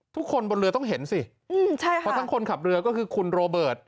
คนบนเรือต้องเห็นสิใช่ค่ะเพราะทั้งคนขับเรือก็คือคุณโรเบิร์ต